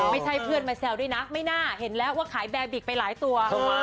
ไม่ใช่เพื่อนมาแซวด้วยนะไม่น่าเห็นแล้วว่าขายแบร์บิกไปหลายตัว